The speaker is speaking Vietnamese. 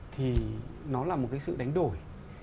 thì nó là một cái sự đánh đổi